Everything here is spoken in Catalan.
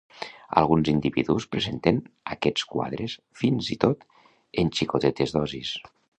Alguns individus presenten aquests quadres fins i tot en xicotetes dosis.